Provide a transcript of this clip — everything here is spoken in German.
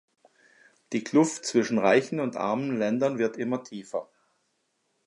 Die Kluft zwischen reichen und armen Ländern wird immer tiefer.